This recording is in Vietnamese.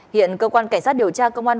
hiện cơ quan cảnh sát điều tra công an